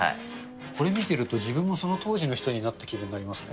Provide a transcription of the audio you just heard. これ見てると自分もその当時の人になった気分になりますね。